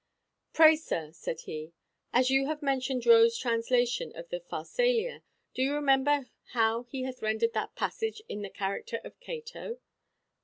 "Pray, sir," said he, "as you have mentioned Rowe's translation of the Pharsalia, do you remember how he hath rendered that passage in the character of Cato?